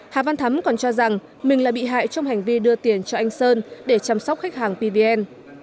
hà văn thắm còn cho rằng mình là bị hại trong hành vi đưa tiền cho anh sơn để chăm sóc khách hàng pvn